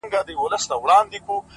o په سپورږمۍ كي زمــــــــــا زړه دى،